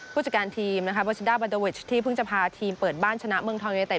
ผู้จัดการทีมนะคะโบซิด้าบาโดวิชที่เพิ่งจะพาทีมเปิดบ้านชนะเมืองทองยูเนเต็